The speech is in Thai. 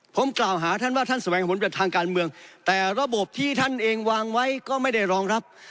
ผมกล่าวหาท่านว่าท่านแสวงผลแบบทางการเมืองแต่ระบบที่ท่านเองวางไว้ก็ไม่ได้รองรับ